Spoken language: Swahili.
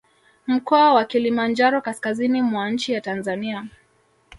Mkoa wa Kilimanjaro kaskazini mwa nchi ya Tanzania